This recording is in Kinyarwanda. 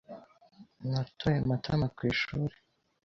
Natoye Matama ku ishuri.